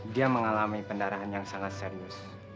dia mengalami pendarahan yang sangat serius